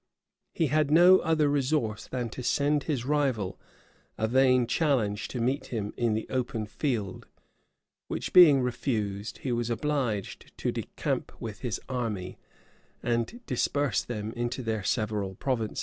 He had no other resource than to send his rival a vain challenge to meet him in the open field; which being refused, he was obliged to decamp with his army, and disperse them into their several provinces.